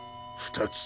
２つ。